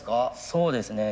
そうですね。